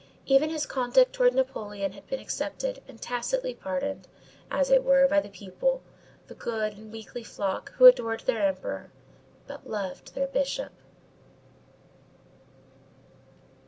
Even his conduct towards Napoleon had been accepted and tacitly pardoned, as it were, by the people, the good and weakly flock who adored their emperor, but loved their bishop.